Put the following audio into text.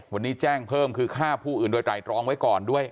วันนี้แจ้งเพิ่มคือฆ่าผู้อื่นโดยไตรรองไว้ก่อนด้วย